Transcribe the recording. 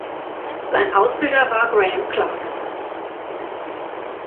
Sein Ausbilder war Graham Clark.